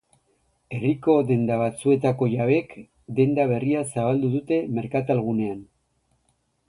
Herriko denda batzuetako jabeek, denda berria zabaldu dute merkatal-gunean.